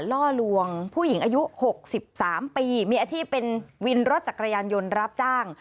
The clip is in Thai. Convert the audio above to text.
ล่อลวงผู้หญิงอายุ๖๓ปีมีอาชีพเป็นวินรถจักรยานยนต์รับจ้าง